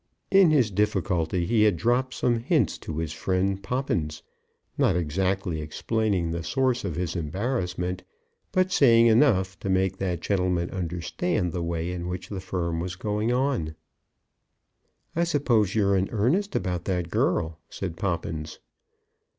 In his difficulty he had dropped some hints to his friend Poppins, not exactly explaining the source of his embarrassment, but saying enough to make that gentleman understand the way in which the firm was going on. "I suppose you're in earnest about that girl," said Poppins.